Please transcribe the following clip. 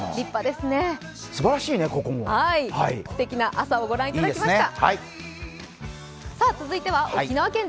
すてきな朝を御覧いただきました。